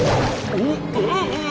おっ？